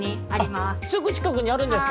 すぐちかくにあるんですか。